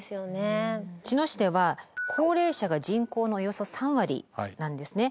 茅野市では高齢者が人口のおよそ３割なんですね。